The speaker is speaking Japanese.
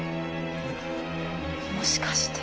もしかして。